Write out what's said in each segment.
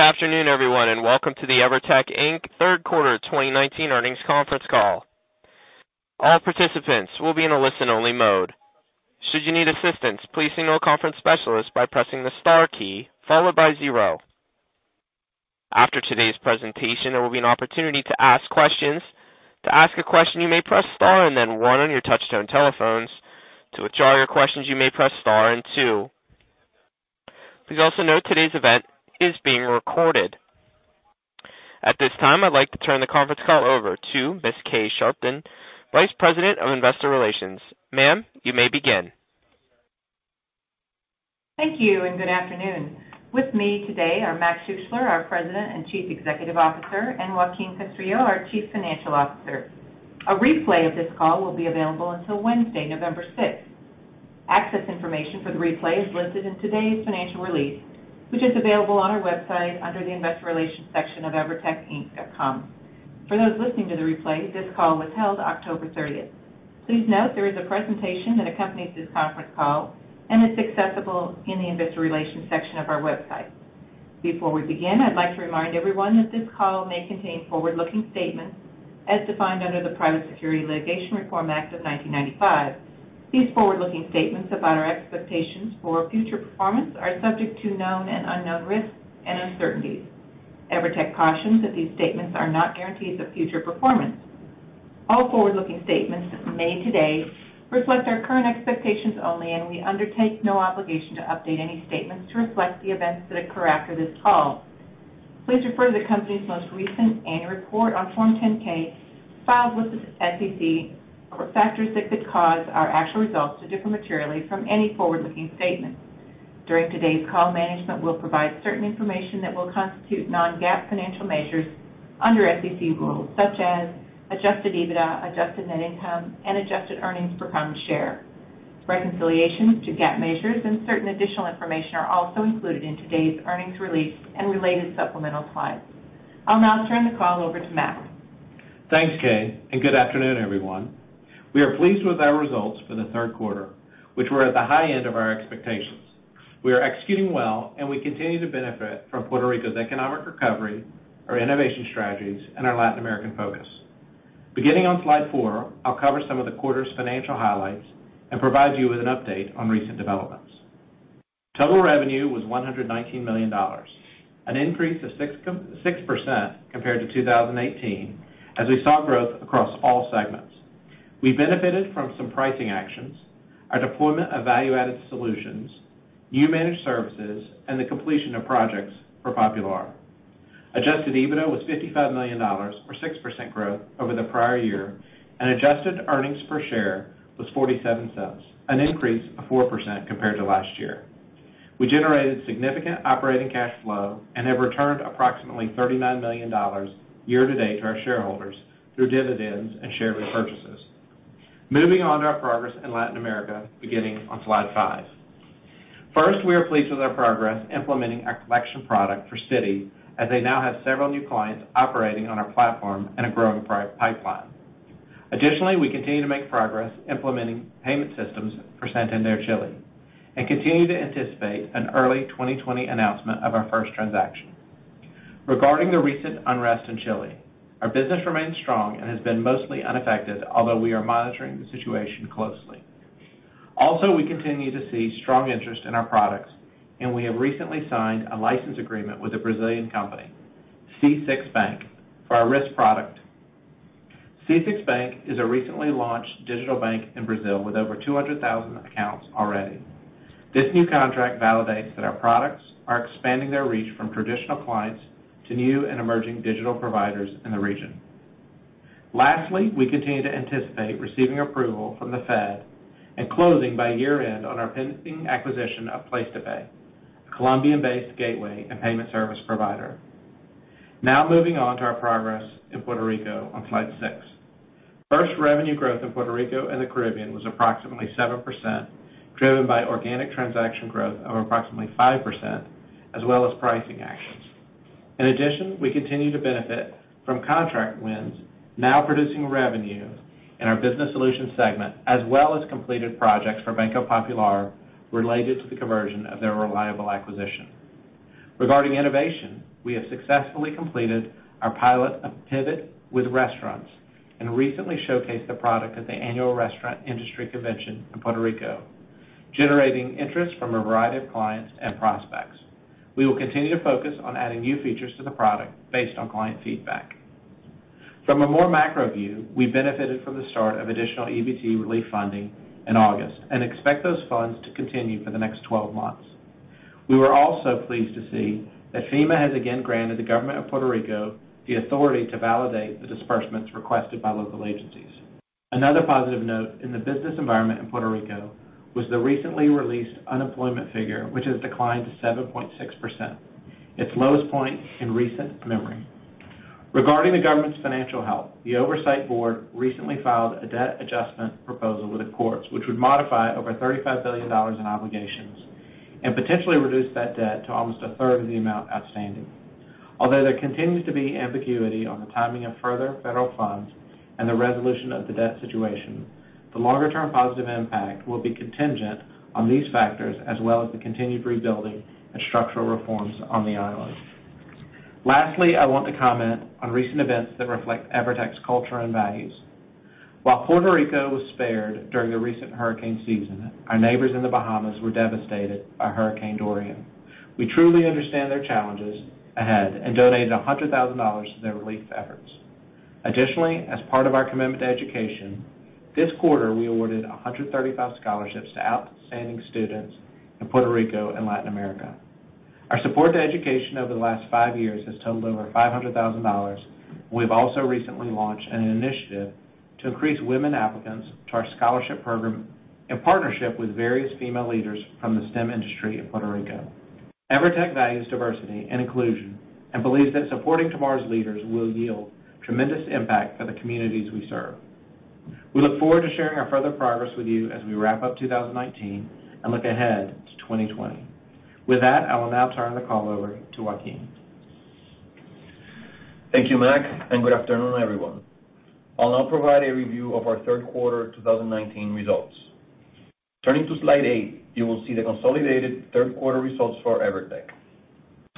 Good afternoon, everyone, and welcome to the Evertec, Inc. third quarter 2019 earnings conference call. All participants will be in a listen-only mode. Should you need assistance, please signal a conference specialist by pressing the star key followed by zero. After today's presentation, there will be an opportunity to ask questions. To ask a question, you may press star and then one on your touch-tone telephones. To withdraw your questions, you may press star and two. Please also note today's event is being recorded. At this time, I'd like to turn the conference call over to Ms. Kay Sharpton, Vice President of Investor Relations. Ma'am, you may begin. Thank you, and good afternoon. With me today are Morgan Schuessler, our President and Chief Executive Officer, and Joaquin Castrillo, our Chief Financial Officer. A replay of this call will be available until Wednesday, November 6th. Access information for the replay is listed in today's financial release, which is available on our website under the Investor Relations section of evertecinc.com. For those listening to the replay, this call was held October 30th. Please note there is a presentation that accompanies this conference call, and it's accessible in the Investor Relations section of our website. Before we begin, I'd like to remind everyone that this call may contain forward-looking statements as defined under the Private Securities Litigation Reform Act of 1995. These forward-looking statements about our expectations for future performance are subject to known and unknown risks and uncertainties. EVERTEC cautions that these statements are not guarantees of future performance. All forward-looking statements made today reflect our current expectations only, and we undertake no obligation to update any statements to reflect the events that occur after this call. Please refer to the company's most recent annual report on Form 10-K filed with the SEC for factors that could cause our actual results to differ materially from any forward-looking statements. During today's call, management will provide certain information that will constitute non-GAAP financial measures under SEC rules such as adjusted EBITDA, adjusted net income and adjusted earnings per common share. Reconciliations to GAAP measures and certain additional information are also included in today's earnings release and related supplemental files. I'll now turn the call over to Mac. Thanks, Kay, and good afternoon, everyone. We are pleased with our results for the third quarter, which were at the high end of our expectations. We are executing well, and we continue to benefit from Puerto Rico's economic recovery, our innovation strategies, and our Latin American focus. Beginning on slide four, I'll cover some of the quarter's financial highlights and provide you with an update on recent developments. Total revenue was $119 million, an increase of 6% compared to 2018, as we saw growth across all segments. We benefited from some pricing actions, our deployment of value-added solutions, new managed services, and the completion of projects for Popular. Adjusted EBITDA was $55 million, or 6% growth over the prior year, and adjusted earnings per share was $0.47, an increase of 4% compared to last year. We generated significant operating cash flow and have returned approximately $39 million year to date to our shareholders through dividends and share repurchases. Moving on to our progress in Latin America, beginning on slide five. We are pleased with our progress implementing our collection product for Citi, as they now have several new clients operating on our platform and a growing pipeline. We continue to make progress implementing payment systems for Santander Chile, and continue to anticipate an early 2020 announcement of our first transaction. Regarding the recent unrest in Chile, our business remains strong and has been mostly unaffected, although we are monitoring the situation closely. We continue to see strong interest in our products, and we have recently signed a license agreement with a Brazilian company, C6 Bank, for our risk product. C6 Bank is a recently launched digital bank in Brazil with over 200,000 accounts already. This new contract validates that our products are expanding their reach from traditional clients to new and emerging digital providers in the region. Lastly, we continue to anticipate receiving approval from The Fed and closing by year-end on our pending acquisition of PlacetoPay, a Colombian-based gateway and payment service provider. Now moving on to our progress in Puerto Rico on slide six. First, revenue growth in Puerto Rico and the Caribbean was approximately 7%, driven by organic transaction growth of approximately 5% as well as pricing actions. In addition, we continue to benefit from contract wins now producing revenue in our business solution segment, as well as completed projects for Banco Popular related to the conversion of their Reliable acquisition. Regarding innovation, we have successfully completed our pilot of Pivot with restaurants and recently showcased the product at the annual restaurant industry convention in Puerto Rico, generating interest from a variety of clients and prospects. We will continue to focus on adding new features to the product based on client feedback. From a more macro view, we benefited from the start of additional EBT relief funding in August and expect those funds to continue for the next 12 months. We were also pleased to see that FEMA has again granted the government of Puerto Rico the authority to validate the disbursements requested by local agencies. Another positive note in the business environment in Puerto Rico was the recently released unemployment figure, which has declined to 7.6%, its lowest point in recent memory. Regarding the government's financial health, the oversight board recently filed a debt adjustment proposal with the courts, which would modify over $35 billion in obligations and potentially reduce that debt to almost a third of the amount outstanding. Although there continues to be ambiguity on the timing of further federal funds and the resolution of the debt situation, the longer-term positive impact will be contingent on these factors, as well as the continued rebuilding and structural reforms on the island. Lastly, I want to comment on recent events that reflect Evertec's culture and values. While Puerto Rico was spared during the recent hurricane season, our neighbors in the Bahamas were devastated by Hurricane Dorian. We truly understand their challenges ahead and donated $100,000 to their relief efforts. Additionally, as part of our commitment to education, this quarter, we awarded 135 scholarships to outstanding students in Puerto Rico and Latin America. Our support to education over the last five years has totaled over $500,000. We've also recently launched an initiative to increase women applicants to our scholarship program in partnership with various female leaders from the STEM industry in Puerto Rico. EVERTEC values diversity and inclusion and believes that supporting tomorrow's leaders will yield tremendous impact for the communities we serve. We look forward to sharing our further progress with you as we wrap up 2019 and look ahead to 2020. With that, I will now turn the call over to Joaquin. Thank you, Max, good afternoon, everyone. I'll now provide a review of our third quarter 2019 results. Turning to slide eight, you will see the consolidated third quarter results for EVERTEC.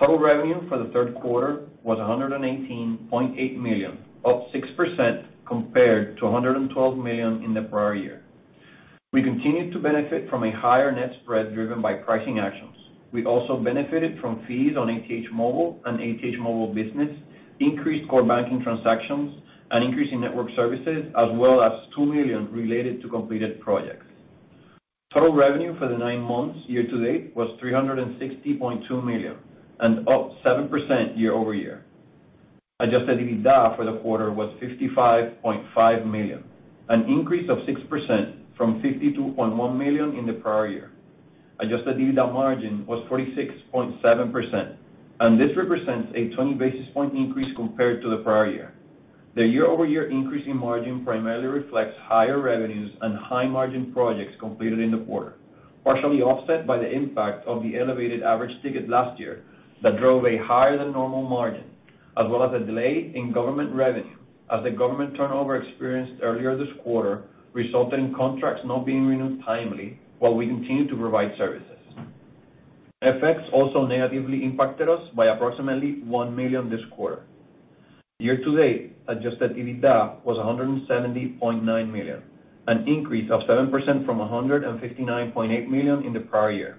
Total revenue for the third quarter was $118.8 million, up 6% compared to $112 million in the prior year. We continued to benefit from a higher net spread driven by pricing actions. We also benefited from fees on ATH Móvil and ATH Móvil Business, increased core banking transactions, and increasing network services, as well as $2 million related to completed projects. Total revenue for the nine months year-to-date was $360.2 million and up 7% year-over-year. Adjusted EBITDA for the quarter was $55.5 million, an increase of 6% from $52.1 million in the prior year. Adjusted EBITDA margin was 46.7%, this represents a 20 basis point increase compared to the prior year. The year-over-year increase in margin primarily reflects higher revenues and high-margin projects completed in the quarter, partially offset by the impact of the elevated average ticket last year that drove a higher than normal margin, as well as a delay in government revenue, as the government turnover experienced earlier this quarter resulted in contracts not being renewed timely while we continued to provide services. FX also negatively impacted us by approximately $1 million this quarter. Year-to-date adjusted EBITDA was $170.9 million, an increase of 7% from $159.8 million in the prior year.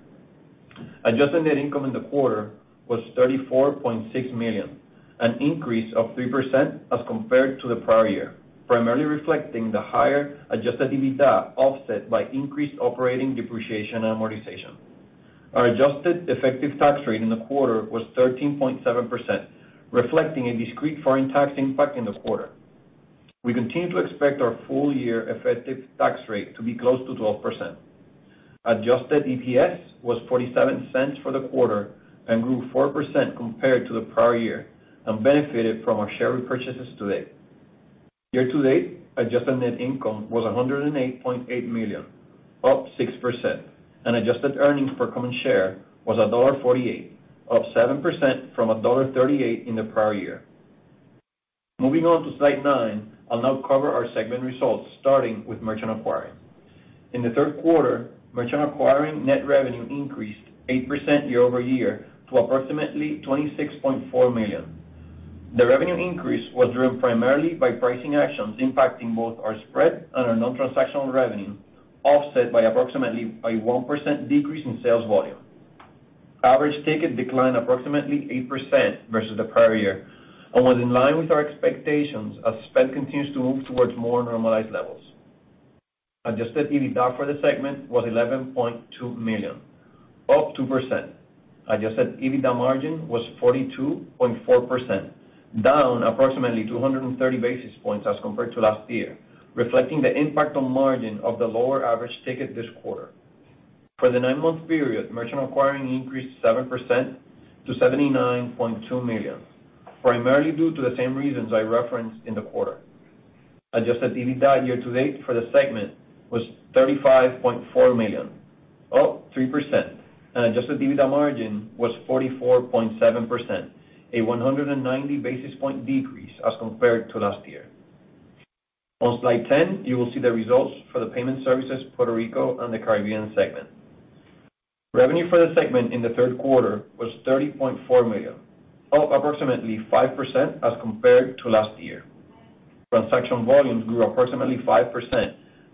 Adjusted net income in the quarter was $34.6 million, an increase of 3% as compared to the prior year, primarily reflecting the higher adjusted EBITDA offset by increased operating depreciation and amortization. Our adjusted effective tax rate in the quarter was 13.7%, reflecting a discrete foreign tax impact in the quarter. We continue to expect our full year effective tax rate to be close to 12%. Adjusted EPS was $0.47 for the quarter and grew 4% compared to the prior year and benefited from our share repurchases to date. Year-to-date adjusted net income was $108.8 million, up 6%, and adjusted earnings per common share was $1.48, up 7% from $1.38 in the prior year. Moving on to slide nine, I'll now cover our segment results, starting with merchant acquiring. In the third quarter, merchant acquiring net revenue increased 8% year-over-year to approximately $26.4 million. The revenue increase was driven primarily by pricing actions impacting both our spread and our non-transactional revenue, offset by approximately a 1% decrease in sales volume. Average ticket declined approximately 8% versus the prior year and was in line with our expectations as spend continues to move towards more normalized levels. Adjusted EBITDA for the segment was $11.2 million, up 2%. Adjusted EBITDA margin was 42.4%, down approximately 230 basis points as compared to last year, reflecting the impact on margin of the lower average ticket this quarter. For the nine-month period, merchant acquiring increased 7% to $79.2 million, primarily due to the same reasons I referenced in the quarter. Adjusted EBITDA year-to-date for the segment was $35.4 million, up 3%. Adjusted EBITDA margin was 44.7%, a 190 basis point decrease as compared to last year. On slide 10, you will see the results for the Payment Services Puerto Rico and the Caribbean segment. Revenue for the segment in the third quarter was $30.4 million, up approximately 5% as compared to last year. Transaction volumes grew approximately 5%,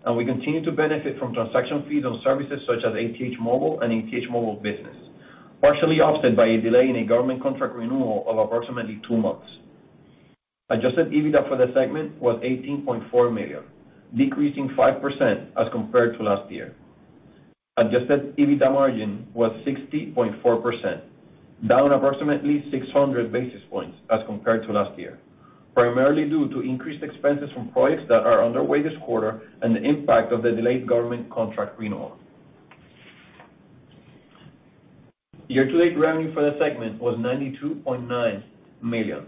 and we continued to benefit from transaction fees on services such as ATH Móvil and ATH Móvil Business, partially offset by a delay in a government contract renewal of approximately two months. Adjusted EBITDA for the segment was $18.4 million, decreasing 5% as compared to last year. Adjusted EBITDA margin was 60.4%, down approximately 600 basis points as compared to last year, primarily due to increased expenses from projects that are underway this quarter and the impact of the delayed government contract renewal. Year-to-date revenue for the segment was $92.9 million,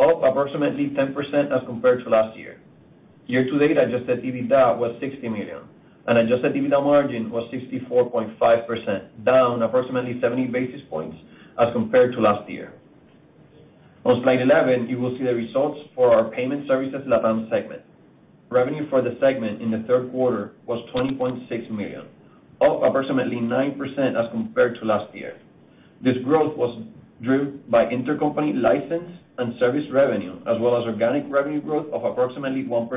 up approximately 10% as compared to last year. Year-to-date adjusted EBITDA was $60 million, and adjusted EBITDA margin was 64.5%, down approximately 70 basis points as compared to last year. On slide 11, you will see the results for our Payment Services Latam segment. Revenue for the segment in the third quarter was $20.6 million, up approximately 9% as compared to last year. This growth was driven by intercompany license and service revenue, as well as organic revenue growth of approximately 1%,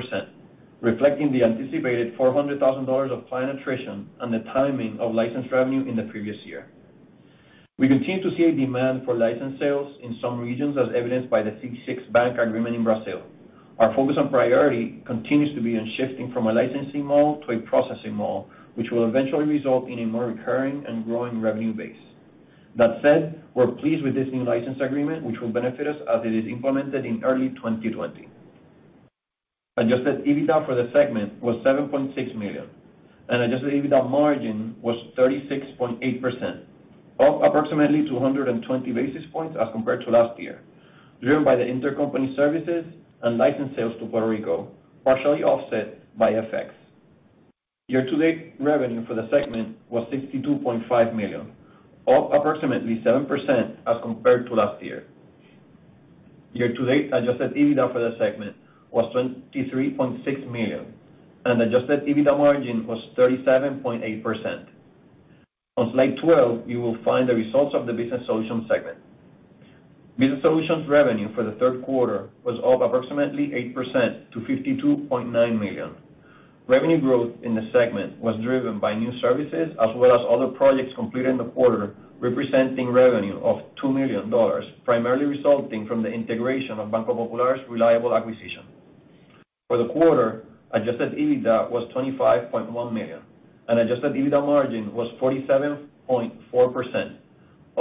reflecting the anticipated $400,000 of client attrition and the timing of licensed revenue in the previous year. We continue to see a demand for license sales in some regions, as evidenced by the C6 Bank agreement in Brazil. Our focus and priority continues to be on shifting from a licensing model to a processing model, which will eventually result in a more recurring and growing revenue base. That said, we're pleased with this new license agreement, which will benefit us as it is implemented in early 2020. Adjusted EBITDA for the segment was $7.6 million, and adjusted EBITDA margin was 36.8%, up approximately 220 basis points as compared to last year, driven by the intercompany services and license sales to Puerto Rico, partially offset by FX. Year-to-date revenue for the segment was $62.5 million, up approximately 7% as compared to last year. Year-to-date adjusted EBITDA for the segment was $23.6 million, and adjusted EBITDA margin was 37.8%. On slide 12, you will find the results of the Business Solutions segment. Business Solutions revenue for the third quarter was up approximately 8% to $52.9 million. Revenue growth in the segment was driven by new services as well as other projects completed in the quarter, representing revenue of $2 million, primarily resulting from the integration of Banco Popular's Reliable acquisition. For the quarter, adjusted EBITDA was $25.1 million, and adjusted EBITDA margin was 47.4%,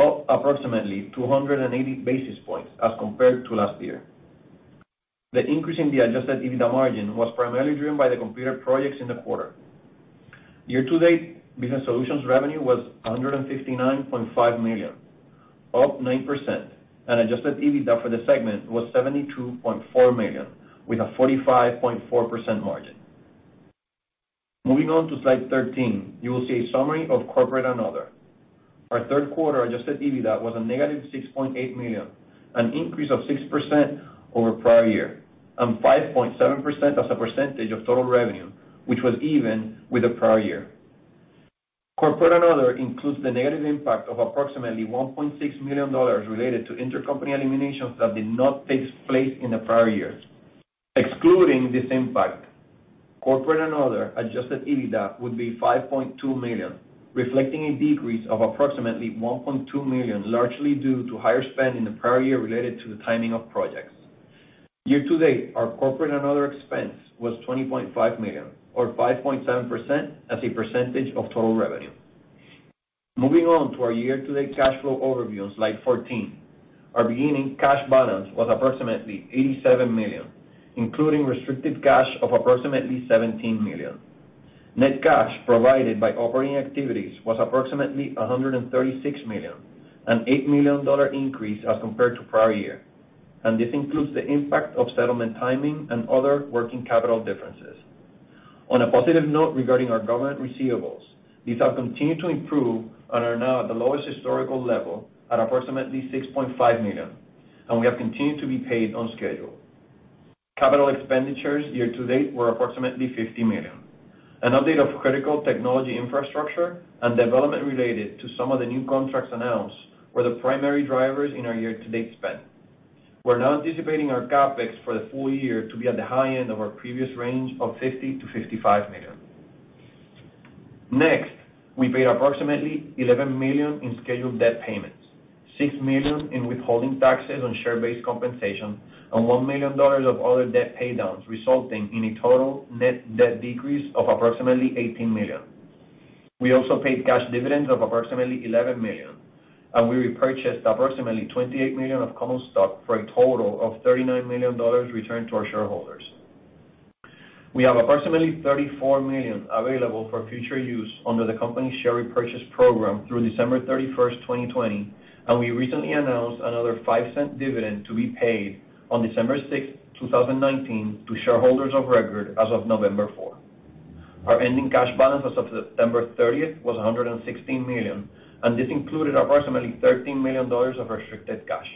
up approximately 280 basis points as compared to last year. The increase in the adjusted EBITDA margin was primarily driven by the completed projects in the quarter. Year-to-date, Business Solutions revenue was $159.5 million, up 9%, and adjusted EBITDA for the segment was $72.4 million, with a 45.4% margin. Moving on to slide 13, you will see a summary of Corporate and Other. Our third quarter adjusted EBITDA was a negative $6.8 million, an increase of 6% over prior year, and 5.7% as a percentage of total revenue, which was even with the prior year. Corporate and Other includes the negative impact of approximately $1.6 million related to intercompany eliminations that did not take place in the prior years. Excluding this impact, Corporate and Other adjusted EBITDA would be $5.2 million, reflecting a decrease of approximately $1.2 million, largely due to higher spend in the prior year related to the timing of projects. Year to date, our Corporate and Other expense was $20.5 million, or 5.7% as a percentage of total revenue. Moving on to our year-to-date cash flow overview on slide 14. Our beginning cash balance was approximately $87 million, including restricted cash of approximately $17 million. Net cash provided by operating activities was approximately $136 million, an $8 million increase as compared to prior year. This includes the impact of settlement timing and other working capital differences. On a positive note regarding our government receivables, these have continued to improve and are now at the lowest historical level at approximately $6.5 million. We have continued to be paid on schedule. Capital expenditures year to date were approximately $50 million. An update of critical technology infrastructure and development related to some of the new contracts announced were the primary drivers in our year-to-date spend. We're now anticipating our CapEx for the full year to be at the high end of our previous range of $50 million-$55 million. Next, we paid approximately $11 million in scheduled debt payments, $6 million in withholding taxes on share-based compensation, and $1 million of other debt paydowns, resulting in a total net debt decrease of approximately $18 million. We also paid cash dividends of approximately $11 million, and we repurchased approximately $28 million of common stock, for a total of $39 million returned to our shareholders. We have approximately $34 million available for future use under the company share repurchase program through December 31st, 2020. We recently announced another $0.05 dividend to be paid on December 6, 2019, to shareholders of record as of November 4. Our ending cash balance as of September 30th was $116 million. This included approximately $13 million of restricted cash.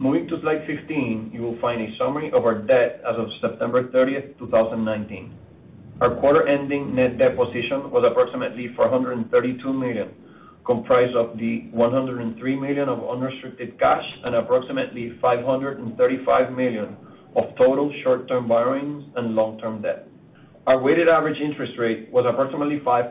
Moving to slide 15, you will find a summary of our debt as of September 30th, 2019. Our quarter-ending net debt position was approximately $432 million, comprised of the $103 million of unrestricted cash and approximately $535 million of total short-term borrowings and long-term debt. Our weighted average interest rate was approximately 5%.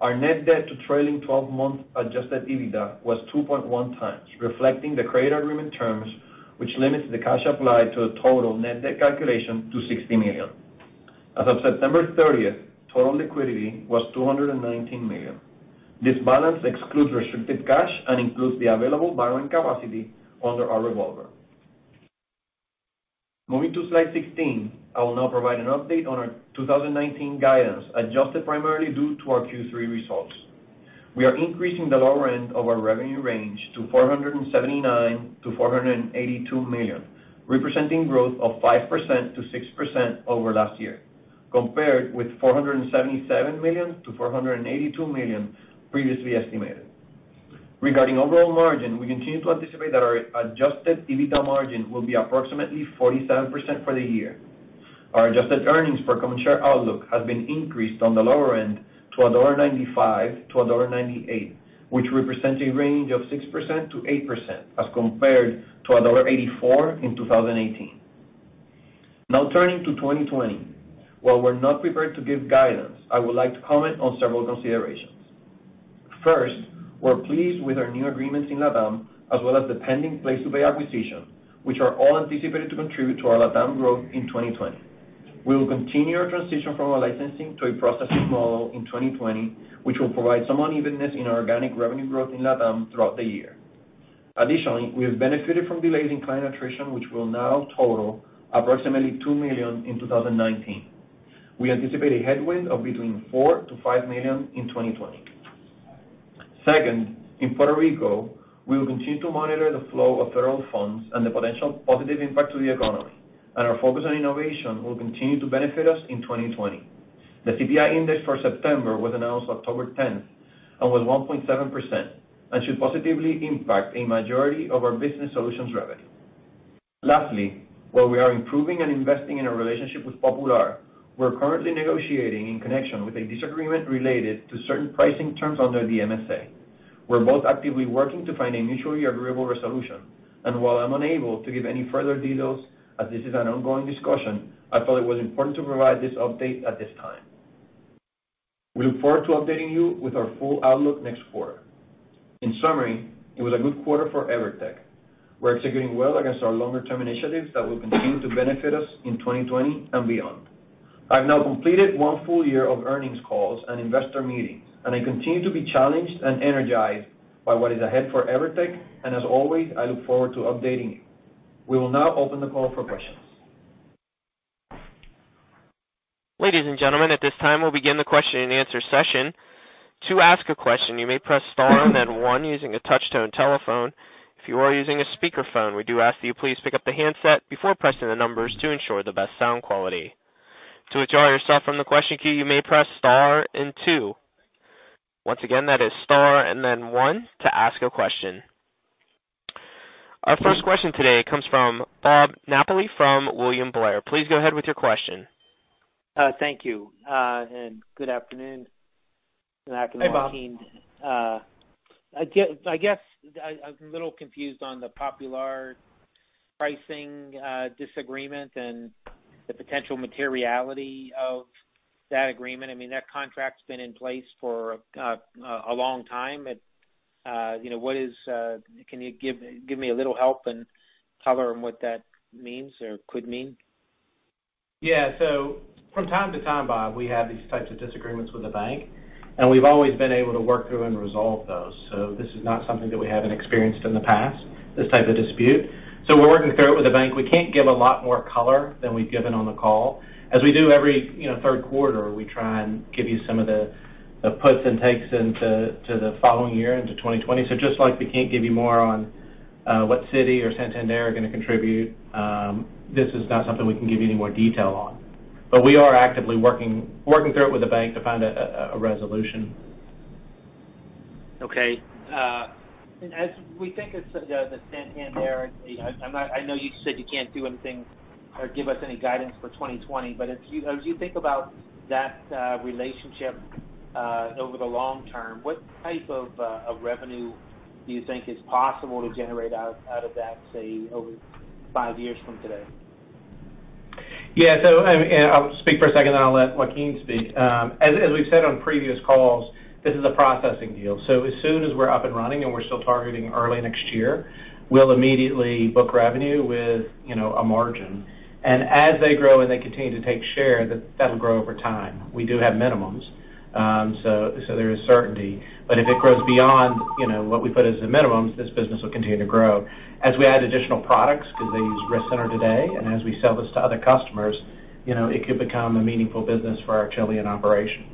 Our net debt to trailing 12-month adjusted EBITDA was 2.1 times, reflecting the credit agreement terms, which limits the cash applied to a total net debt calculation to $60 million. As of September 30th, total liquidity was $219 million. This balance excludes restricted cash and includes the available borrowing capacity under our revolver. Moving to slide 16, I will now provide an update on our 2019 guidance, adjusted primarily due to our Q3 results. We are increasing the lower end of our revenue range to $479 million-$482 million, representing growth of 5%-6% over last year, compared with $477 million-$482 million previously estimated. Regarding overall margin, we continue to anticipate that our adjusted EBITDA margin will be approximately 47% for the year. Our adjusted earnings per common share outlook has been increased on the lower end to $1.95-$1.98, which represents a range of 6%-8% as compared to $1.84 in 2018. Now turning to 2020. While we're not prepared to give guidance, I would like to comment on several considerations. First, we're pleased with our new agreements in LATAM, as well as the pending PlacetoPay acquisition, which are all anticipated to contribute to our LATAM growth in 2020. We will continue our transition from a licensing to a processing model in 2020, which will provide some unevenness in organic revenue growth in LATAM throughout the year. Additionally, we have benefited from delays in client attrition, which will now total approximately $2 million in 2019. We anticipate a headwind of between $4 million-$5 million in 2020. Second, in Puerto Rico, we will continue to monitor the flow of federal funds and the potential positive impact to the economy. Our focus on innovation will continue to benefit us in 2020. The CPI index for September was announced October 10th and was 1.7%, and should positively impact a majority of our business solutions revenue. Lastly, while we are improving and investing in our relationship with Popular, we're currently negotiating in connection with a disagreement related to certain pricing terms under the MSA. We're both actively working to find a mutually agreeable resolution. While I'm unable to give any further details, as this is an ongoing discussion, I felt it was important to provide this update at this time. We look forward to updating you with our full outlook next quarter. In summary, it was a good quarter for EVERTEC. We're executing well against our longer-term initiatives that will continue to benefit us in 2020 and beyond. I've now completed one full year of earnings calls and investor meetings, and I continue to be challenged and energized by what is ahead for EVERTEC, and as always, I look forward to updating you. We will now open the call for questions. Ladies and gentlemen, at this time, we'll begin the question and answer session. To ask a question, you may press star and then one using a touch-tone telephone. If you are using a speakerphone, we do ask that you please pick up the handset before pressing the numbers to ensure the best sound quality. To withdraw yourself from the question queue, you may press star and two. Once again, that is star and then one to ask a question. Our first question today comes from Bob Napoli from William Blair. Please go ahead with your question. Thank you. Good afternoon. Hey, Bob. Joaquin. I guess I was a little confused on the Popular pricing disagreement and the potential materiality of that agreement. That contract's been in place for a long time. Can you give me a little help and color on what that means or could mean? From time to time, Bob, we have these types of disagreements with the bank, and we've always been able to work through and resolve those. This is not something that we haven't experienced in the past, this type of dispute. We're working through it with the bank. We can't give a lot more color than we've given on the call. As we do every third quarter, we try and give you some of the puts and takes into the following year, into 2020. Just like we can't give you more on what Citi or Santander are going to contribute, this is not something we can give you any more detail on. We are actively working through it with the bank to find a resolution. Okay. As we think of the Santander, I know you said you can't do anything or give us any guidance for 2020. As you think about that relationship over the long term, what type of revenue do you think is possible to generate out of that, say, over five years from today? Yeah. I'll speak for a second, then I'll let Joaquin speak. As we've said on previous calls, this is a processing deal. As soon as we're up and running, and we're still targeting early next year, we'll immediately book revenue with a margin. As they grow and they continue to take share, that'll grow over time. We do have minimums, so there is certainty. If it grows beyond what we put as the minimums, this business will continue to grow. As we add additional products, because they use RiskCenter 360 today, and as we sell this to other customers, it could become a meaningful business for our Chilean operation.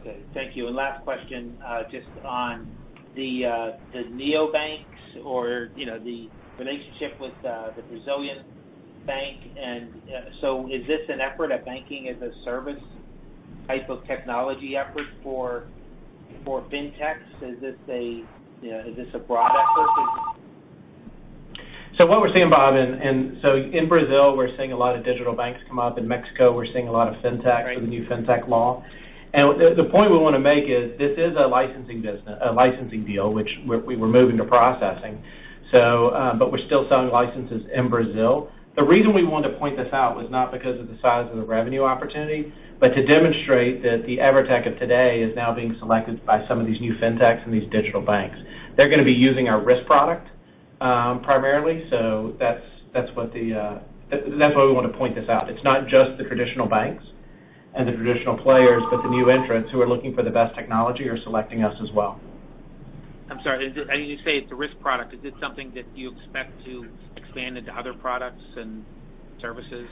Okay. Thank you. Last question, just on the neobanks or the relationship with the Brazilian bank. Is this an effort at banking as a service type of technology effort for FinTechs? Is this a broad effort? Or is it? What we're seeing, Bob, so in Brazil, we're seeing a lot of digital banks come up. In Mexico, we're seeing a lot of Fintechs. Right with the new Fintech Law. The point we want to make is this is a licensing deal, which we're moving to processing. We're still selling licenses in Brazil. The reason we wanted to point this out was not because of the size of the revenue opportunity, but to demonstrate that the Evertec of today is now being selected by some of these new FinTechs and these digital banks. They're going to be using our Risk product primarily. That's why we want to point this out. It's not just the traditional banks and the traditional players, but the new entrants who are looking for the best technology are selecting us as well. I'm sorry. You say it's a risk product. Is it something that you expect to expand into other products and services?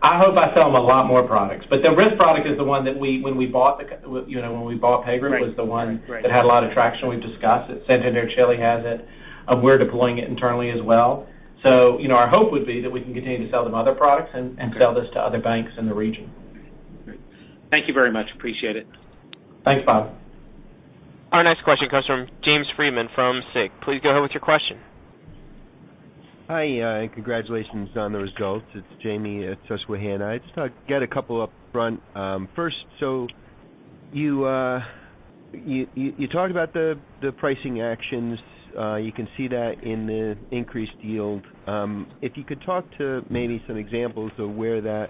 I hope I sell them a lot more products. The risk product is the one that when we bought PayGroup was the one that had a lot of traction. We've discussed it. Banco Santander-Chile has it. We're deploying it internally as well. Our hope would be that we can continue to sell them other products and sell this to other banks in the region. Great. Thank you very much. Appreciate it. Thanks, Bob. Our next question comes from James Friedman from Susquehanna. Please go ahead with your question. Hi, congratulations on the results. It's Jamie at Susquehanna. I just get a couple upfront. First, you talked about the pricing actions. You can see that in the increased yield. If you could talk to maybe some examples of where that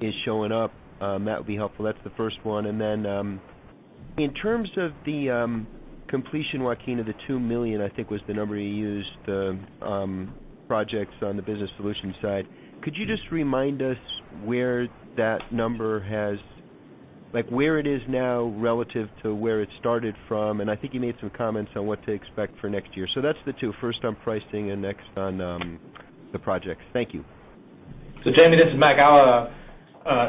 is showing up that would be helpful. That's the first one. In terms of the completion, Joaquin, of the 2 million, I think, was the number you used projects on the business solution side. Could you just remind us where that number where it is now relative to where it started from? I think you made some comments on what to expect for next year. That's the two. First on pricing and next on the projects. Thank you. Jamie, this is Mac.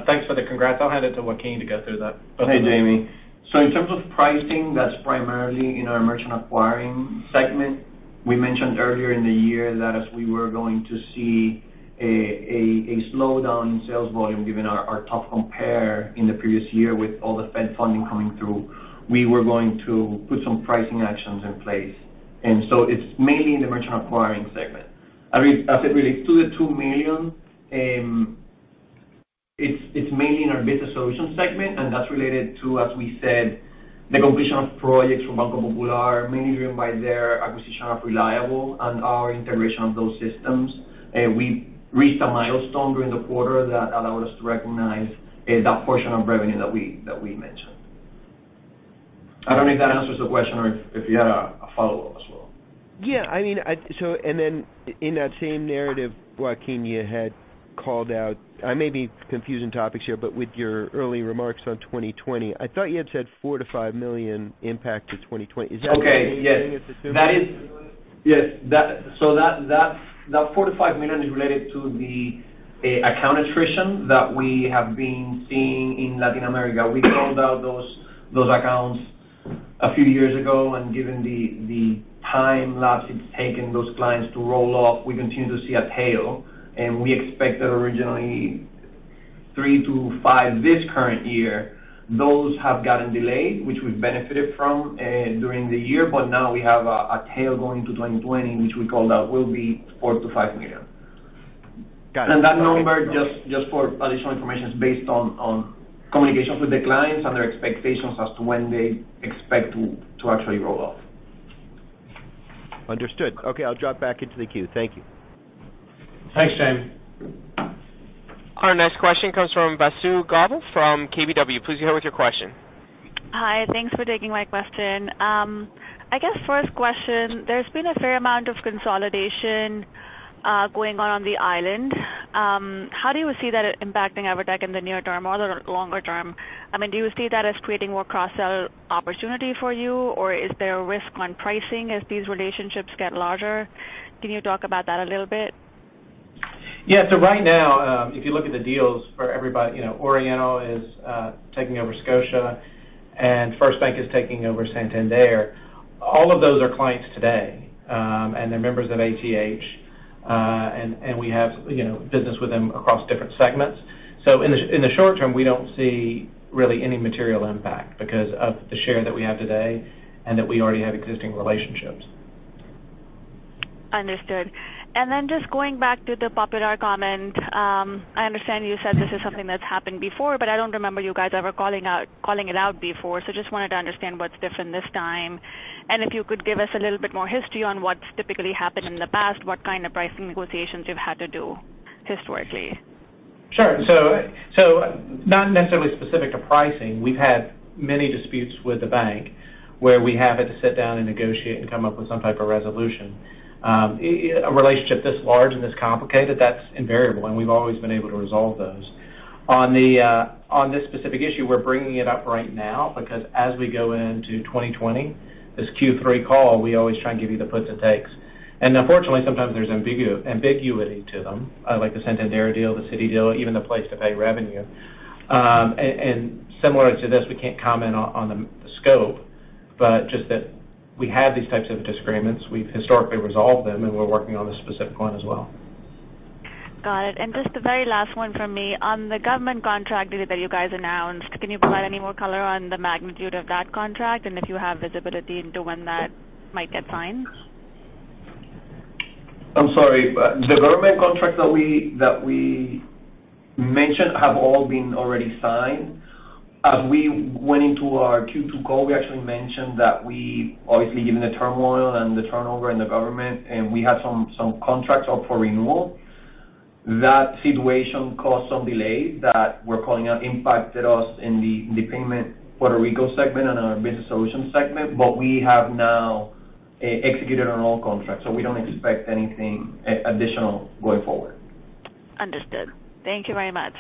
Thanks for the congrats. I'll hand it to Joaquin to go through that. Hey, Jamie. In terms of pricing, that's primarily in our merchant acquiring segment. We mentioned earlier in the year that as we were going to see a slowdown in sales volume, given our tough compare in the previous year with all the Fed funding coming through, we were going to put some pricing actions in place. It's mainly in the merchant acquiring segment. As it relates to the $2 million, it's mainly in our business solutions segment, and that's related to, as we said, the completion of projects from Banco Popular, mainly driven by their acquisition of Reliable and our integration of those systems. We reached a milestone during the quarter that allowed us to recognize that portion of revenue that we mentioned. I don't know if that answers the question or if you had a follow-up as well. Then in that same narrative, Joaquin, you had called out, I may be confusing topics here, but with your early remarks on 2020, I thought you had said $4 million-$5 million impact to 2020. Is that what you're assuming? Okay. Yes. That $4 million-$5 million is related to the account attrition that we have been seeing in Latin America. We called out those accounts a few years ago, and given the time lapse it's taken those clients to roll off, we continue to see a tail, and we expected originally $3 million-$5 million this current year. Those have gotten delayed, which we benefited from during the year. Now we have a tail going to 2020, which we called out will be $4 million-$5 million. Got it. That number, just for additional information, is based on communications with the clients and their expectations as to when they expect to actually roll off. Understood. Okay, I'll drop back into the queue. Thank you. Thanks, Jamie. Our next question comes from Vasu Gaba from KBW. Please go ahead with your question. Hi. Thanks for taking my question. I guess first question, there's been a fair amount of consolidation going on on the island. How do you see that impacting EVERTEC in the near term or the longer term? Do you see that as creating more cross-sell opportunity for you, or is there a risk on pricing as these relationships get larger? Can you talk about that a little bit? Yeah. Right now, if you look at the deals for everybody, Oriental Bank is taking over Scotiabank and FirstBank is taking over Santander. All of those are clients today. They're members of ATH. We have business with them across different segments. In the short term, we don't see really any material impact because of the share that we have today and that we already have existing relationships. Understood. Just going back to the Popular comment. I understand you said this is something that's happened before, but I don't remember you guys ever calling it out before. Just wanted to understand what's different this time. If you could give us a little bit more history on what's typically happened in the past, what kind of pricing negotiations you've had to do historically. Sure. Not necessarily specific to pricing. We've had many disputes with the bank where we have had to sit down and negotiate and come up with some type of resolution. A relationship this large and this complicated, that's invariable, and we've always been able to resolve those. On this specific issue, we're bringing it up right now because as we go into 2020, this Q3 call, we always try and give you the puts and takes. Unfortunately, sometimes there's ambiguity to them, like the Santander deal, the Citi deal, even the PlacetoPay revenue. Similar to this, we can't comment on the scope, but just that we have these types of disagreements. We've historically resolved them, and we're working on this specific one as well. Got it. Just the very last one from me. On the government contract that you guys announced, can you provide any more color on the magnitude of that contract and if you have visibility into when that might get signed? I'm sorry. The government contracts that we mentioned have all been already signed. As we went into our Q2 call, we actually mentioned that we obviously given the turmoil and the turnover in the government, and we had some contracts up for renewal. That situation caused some delays that we're calling out impacted us in the payment Puerto Rico segment and our business solutions segment. We have now executed on all contracts, so we don't expect anything additional going forward. Understood. Thank you very much.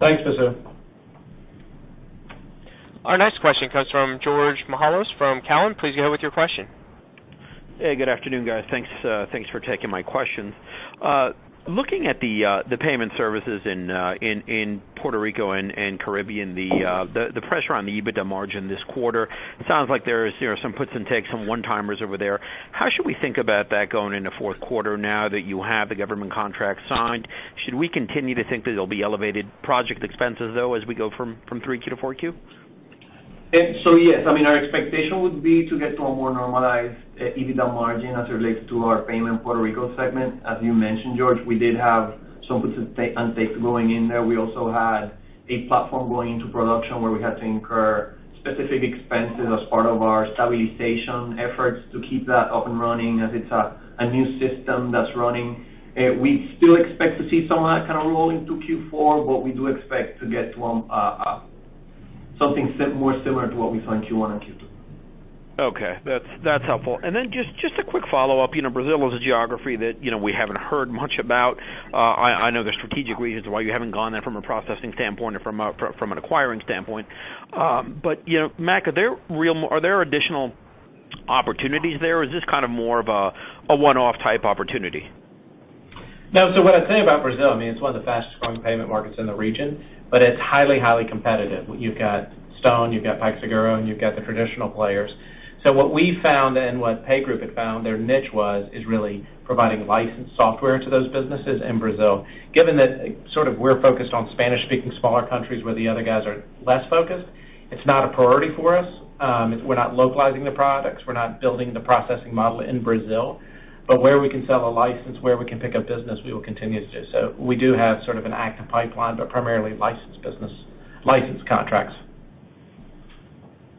Thanks, Vasu. Our next question comes from George Mihalos from Cowen. Please go ahead with your question. Hey, good afternoon, guys. Thanks for taking my questions. Looking at the payment services in Puerto Rico and Caribbean, the pressure on the EBITDA margin this quarter, it sounds like there is some puts and takes, some one-timers over there. How should we think about that going into fourth quarter now that you have the government contract signed? Should we continue to think that there'll be elevated project expenses, though, as we go from three Q to four Q? Yes. Our expectation would be to get to a more normalized EBITDA margin as it relates to our Payment Puerto Rico segment. As you mentioned, George, we did have some puts and takes going in there. We also had a platform going into production where we had to incur specific expenses as part of our stabilization efforts to keep that up and running as it's a new system that's running. We still expect to see some of that roll into Q4, but we do expect to get to something more similar to what we saw in Q1 and Q2. Okay. That's helpful. Just a quick follow-up. Brazil is a geography that we haven't heard much about. I know there's strategic reasons why you haven't gone there from a processing standpoint or from an acquiring standpoint. Mac, are there additional opportunities there or is this more of a one-off type opportunity? No. What I'd say about Brazil, it's one of the fastest growing payment markets in the region, but it's highly competitive. You've got StoneCo, you've got PagSeguro, you've got the traditional players. What we found and what PayGroup had found their niche is really providing licensed software to those businesses in Brazil. Given that we're focused on Spanish-speaking smaller countries where the other guys are less focused, it's not a priority for us. We're not localizing the products. We're not building the processing model in Brazil. Where we can sell a license, where we can pick up business, we will continue to do so. We do have an active pipeline, but primarily licensed business, licensed contracts.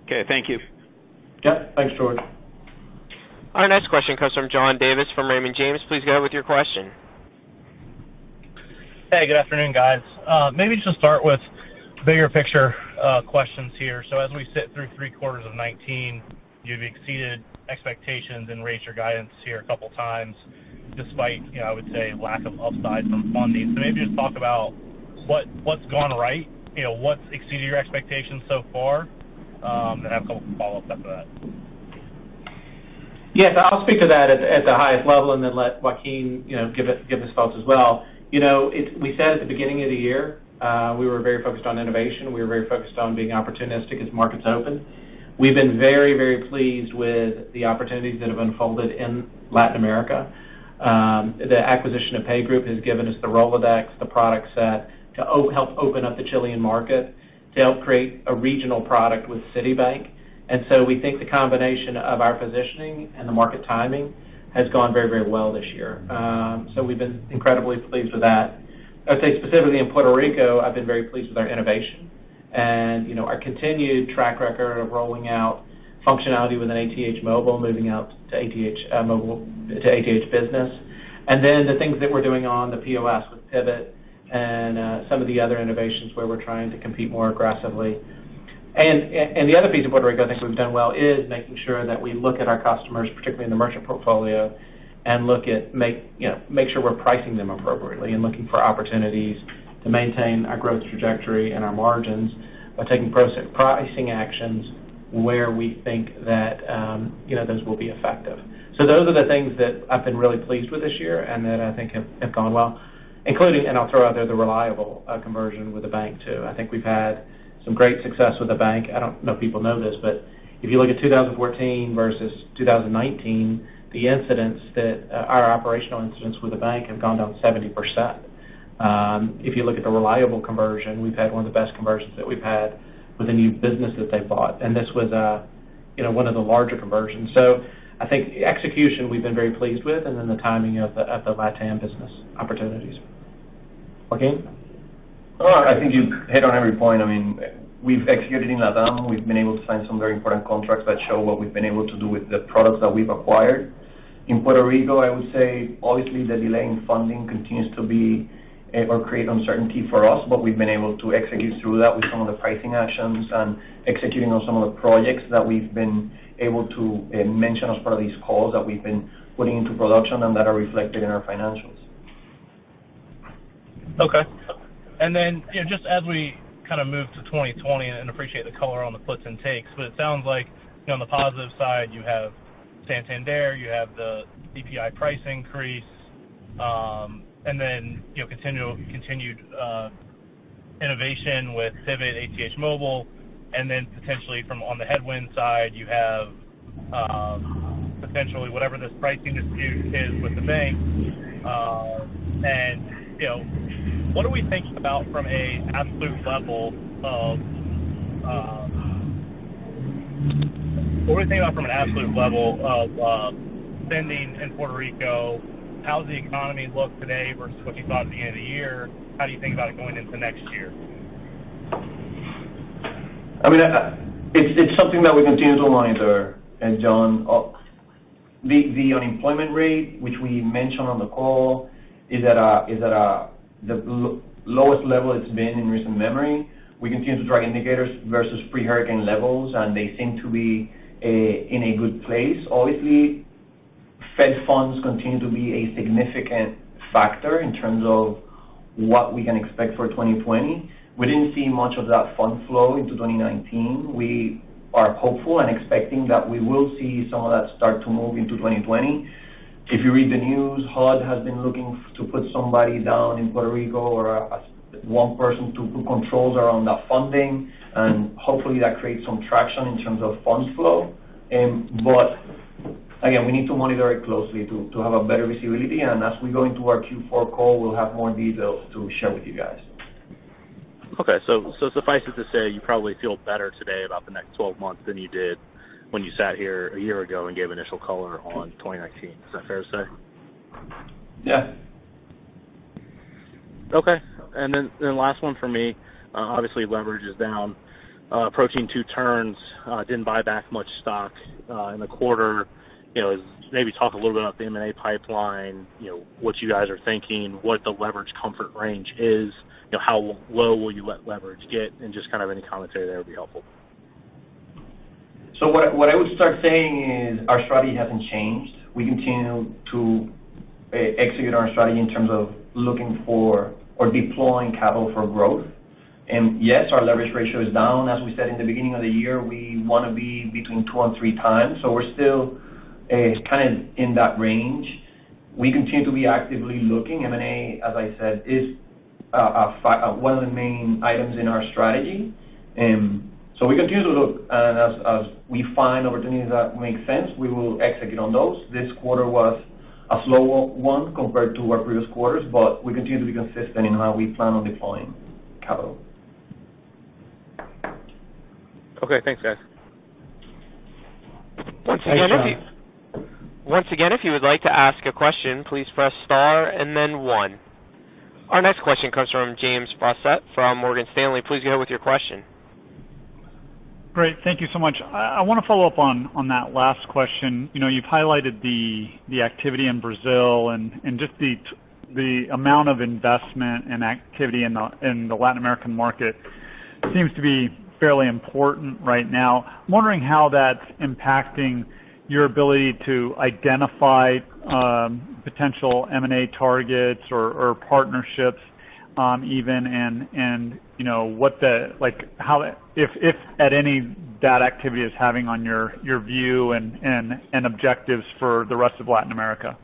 Okay. Thank you. Yep. Thanks, George. Our next question comes from John Davis from Raymond James. Please go ahead with your question. Hey, good afternoon, guys. Maybe just start with bigger picture questions here. As we sit through three quarters of 2019, you've exceeded expectations and raised your guidance here a couple of times despite, I would say, lack of upside from funding. Maybe just talk about what's gone right, what's exceeded your expectations so far, and I have a couple follow-ups after that. Yes, I'll speak to that at the highest level and then let Joaquin give his thoughts as well. We said at the beginning of the year we were very focused on innovation. We were very focused on being opportunistic as markets open. We've been very, very pleased with the opportunities that have unfolded in Latin America. The acquisition of PayGroup has given us the Rolodex, the product set to help open up the Chilean market, to help create a regional product with Citibank. We think the combination of our positioning and the market timing has gone very, very well this year. We've been incredibly pleased with that. I'd say specifically in Puerto Rico, I've been very pleased with our innovation and our continued track record of rolling out functionality within ATH Móvil, moving out to ATH Business. The things that we're doing on the POS with Pivot and some of the other innovations where we're trying to compete more aggressively. The other piece of Puerto Rico I think we've done well is making sure that we look at our customers, particularly in the merchant portfolio, and make sure we're pricing them appropriately and looking for opportunities to maintain our growth trajectory and our margins by taking pricing actions where we think that those will be effective. Those are the things that I've been really pleased with this year and that I think have gone well, including, and I'll throw out there the Reliable conversion with the bank too. I think we've had some great success with the bank. I don't know if people know this, but if you look at 2014 versus 2019, our operational incidents with the bank have gone down 70%. If you look at the Reliable conversion, we've had one of the best conversions that we've had with any business that they've bought. This was one of the larger conversions. I think execution we've been very pleased with and then the timing of the LatAm business opportunities. Joaquin? I think you hit on every point. We've executed in LatAm. We've been able to sign some very important contracts that show what we've been able to do with the products that we've acquired. In Puerto Rico, I would say, obviously, the delay in funding continues to be or create uncertainty for us, but we've been able to execute through that with some of the pricing actions and executing on some of the projects that we've been able to mention as part of these calls that we've been putting into production and that are reflected in our financials. Okay. Just as we move to 2020 and appreciate the color on the puts and takes, but it sounds like on the positive side, you have Santander, you have the CPI price increase, and then continued innovation with Pivot, ATH Móvil, and then potentially from on the headwind side, you have potentially whatever this pricing dispute is with the bank. What are we thinking about from an absolute level of spending in Puerto Rico, how does the economy look today versus what you thought at the end of the year? How do you think about it going into next year? It's something that we continue to monitor. John, the unemployment rate, which we mentioned on the call, is at the lowest level it's been in recent memory. We continue to track indicators versus pre-hurricane levels, and they seem to be in a good place. Obviously, Fed funds continue to be a significant factor in terms of what we can expect for 2020. We didn't see much of that fund flow into 2019. We are hopeful and expecting that we will see some of that start to move into 2020. If you read the news, HUD has been looking to put somebody down in Puerto Rico or one person to put controls around that funding, and hopefully that creates some traction in terms of funds flow. Again, we need to monitor it closely to have a better visibility. As we go into our Q4 call, we'll have more details to share with you guys. Okay. Suffices to say you probably feel better today about the next 12 months than you did when you sat here a year ago and gave initial color on 2019. Is that fair to say? Yeah. Okay. Last one from me. Obviously, leverage is down. Approaching two turns. Didn't buy back much stock in the quarter. Maybe talk a little bit about the M&A pipeline, what you guys are thinking, what the leverage comfort range is. How low will you let leverage get? Just any commentary there would be helpful. What I would start saying is our strategy hasn't changed. We continue to execute our strategy in terms of looking for or deploying capital for growth. And yes, our leverage ratio is down. As we said in the beginning of the year, we want to be between 2 and 3 times. So we're still kind of in that range. We continue to be actively looking. M&A, as I said, is one of the main items in our strategy. We continue to look, and as we find opportunities that make sense, we will execute on those. This quarter was a slow one compared to our previous quarters, but we continue to be consistent in how we plan on deploying capital. Okay, thanks guys. Once again, if you would like to ask a question, please press star and then one. Our next question comes from James Faucette from Morgan Stanley. Please go ahead with your question. Great. Thank you so much. I want to follow up on that last question. You've highlighted the activity in Brazil and just the amount of investment and activity in the Latin American market seems to be fairly important right now. I'm wondering how that's impacting your ability to identify potential M&A targets or partnerships even and if at any that activity is having on your view and objectives for the rest of Latin America.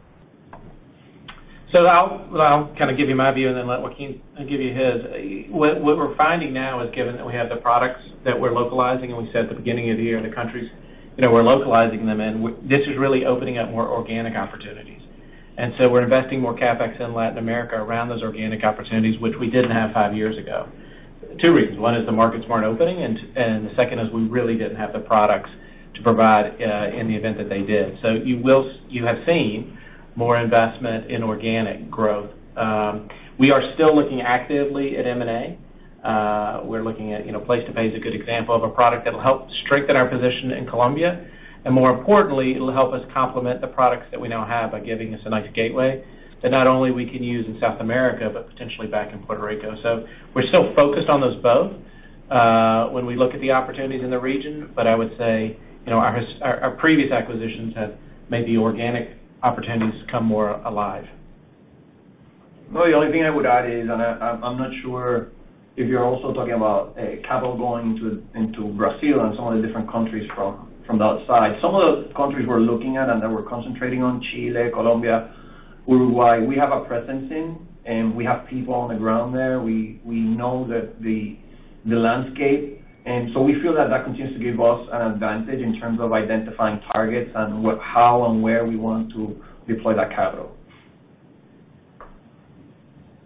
I'll kind of give you my view and then let Joaquin give you his. What we're finding now is given that we have the products that we're localizing and we said at the beginning of the year in the countries we're localizing them in, this is really opening up more organic opportunities. We're investing more CapEx in Latin America around those organic opportunities which we didn't have five years ago. Two reasons. One is the markets weren't opening and the second is we really didn't have the products to provide in the event that they did. You have seen more investment in organic growth. We are still looking actively at M&A. We're looking at PlacetoPay is a good example of a product that'll help strengthen our position in Colombia and more importantly, it'll help us complement the products that we now have by giving us a nice gateway that not only we can use in South America, but potentially back in Puerto Rico. We're still focused on those both when we look at the opportunities in the region. I would say our previous acquisitions have made the organic opportunities come more alive. No, the only thing I would add is, and I'm not sure if you're also talking about capital going into Brazil and some of the different countries from the outside. Some of the countries we're looking at and that we're concentrating on, Chile, Colombia, Uruguay, we have a presence in and we have people on the ground there. We know the landscape. We feel that that continues to give us an advantage in terms of identifying targets and how and where we want to deploy that capital.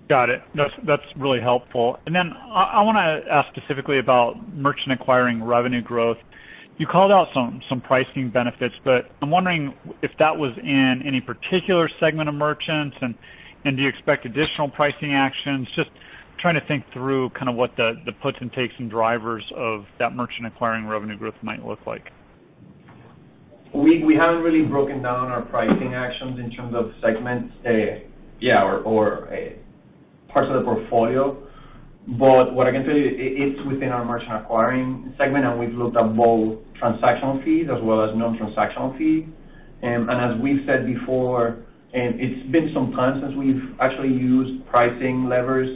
Got it. That is really helpful. Then I want to ask specifically about merchant acquiring revenue growth. You called out some pricing benefits, but I am wondering if that was in any particular segment of merchants and do you expect additional pricing actions? Just trying to think through kind of what the puts and takes and drivers of that merchant acquiring revenue growth might look like. We haven't really broken down our pricing actions in terms of segments or parts of the portfolio. What I can tell you, it's within our merchant acquiring segment and we've looked at both transactional fees as well as non-transactional fees. As we've said before, it's been some time since we've actually used pricing levers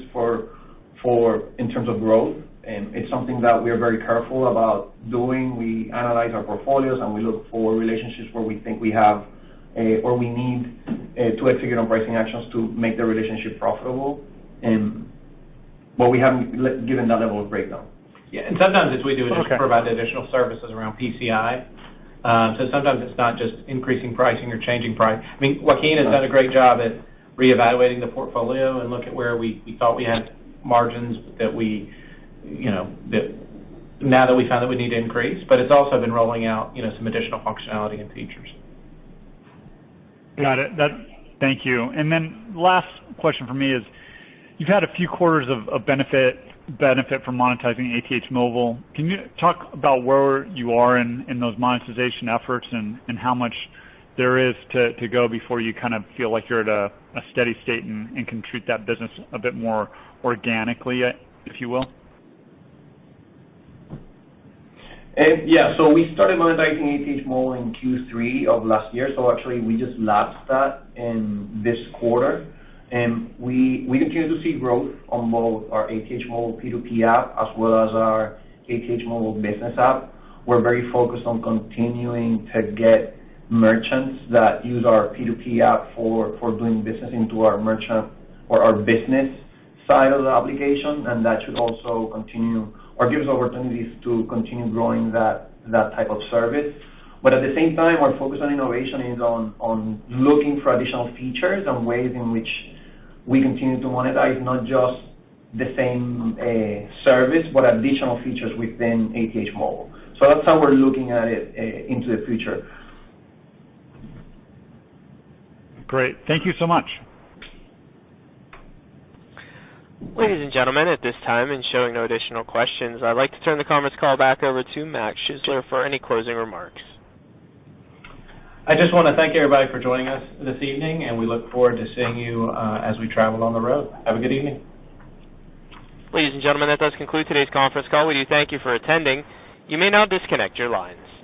in terms of growth. It's something that we are very careful about doing. We analyze our portfolios and we look for relationships where we think we have or we need to execute on pricing actions to make the relationship profitable. We haven't given that level of breakdown. Yeah. Sometimes if we do it is to provide the additional services around PCI. Sometimes it's not just increasing pricing or changing price. Joaquin has done a great job at reevaluating the portfolio and look at where we thought we had margins that now that we found that we need to increase, but it's also been rolling out some additional functionality and features. Got it. Thank you. Last question from me is you've had a few quarters of benefit from monetizing ATH Móvil. Can you talk about where you are in those monetization efforts and how much there is to go before you kind of feel like you're at a steady state and can treat that business a bit more organically, if you will? Yeah. We started monetizing ATH Móvil in Q3 of last year. Actually, we just lapsed that in this quarter. We continue to see growth on both our ATH Móvil P2P app as well as our ATH Móvil Business app. We're very focused on continuing to get merchants that use our P2P app for doing business into our merchant or our business side of the application and that should also continue or gives opportunities to continue growing that type of service. At the same time, our focus on innovation is on looking for additional features and ways in which we continue to monetize not just the same service but additional features within ATH Móvil. That's how we're looking at it into the future. Great. Thank you so much. Ladies and gentlemen, at this time and showing no additional questions, I'd like to turn the conference call back over to Morgan Schuessler for any closing remarks. I just want to thank everybody for joining us this evening and we look forward to seeing you as we travel on the road. Have a good evening. Ladies and gentlemen, that does conclude today's conference call. We do thank you for attending. You may now disconnect your lines.